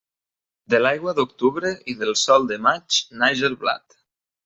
De l'aigua d'octubre i del sol de maig naix el blat.